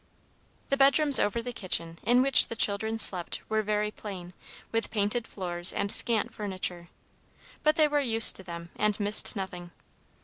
The bedrooms over the kitchen, in which the children slept, were very plain, with painted floors and scant furniture; but they were used to them, and missed nothing.